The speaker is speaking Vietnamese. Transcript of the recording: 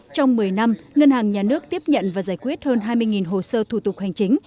trong một mươi năm ngân hàng nhà nước tiếp nhận và giải quyết hơn hai mươi hồ sơ thủ tục hành chính